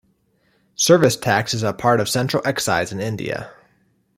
Service tax is a part of Central Excise in India.